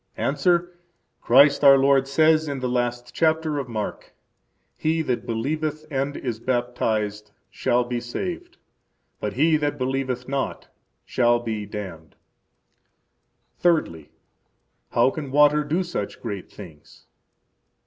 –Answer: Christ, our Lord, says in the last chapter of Mark: He that believeth and is baptized shall be saved; but he that believeth not shall be damned. Thirdly. How can water do such great things?